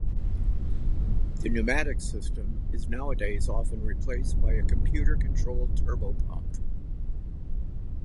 The pneumatic system is nowadays often replaced by a computer-controlled turbopump.